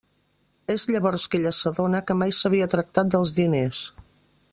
És llavors que ella s'adona que mai s'havia tractat dels diners.